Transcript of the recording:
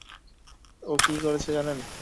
ও কী করেছে জানেন?